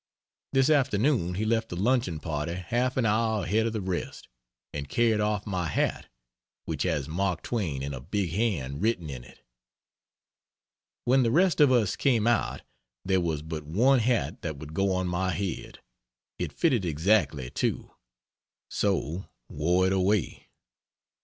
This afternoon he left a luncheon party half an hour ahead of the rest, and carried off my hat (which has Mark Twain in a big hand written in it.) When the rest of us came out there was but one hat that would go on my head it fitted exactly, too. So wore it away.